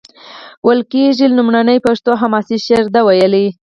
ویل کیږي لومړنی پښتو حماسي شعر ده ویلی.